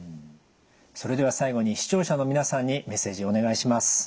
それでは最後に視聴者の皆さんにメッセージお願いします。